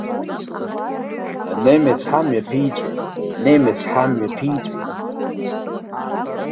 Анемец ҳамҩа ԥиҵәеит, анемец ҳамҩа ԥиҵәеит!